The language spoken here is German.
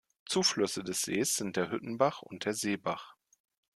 Zuflüsse des Sees sind der Hüttenbach und der Seebach.